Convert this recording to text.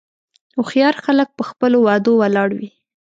هوښیار خلک په خپلو وعدو ولاړ وي.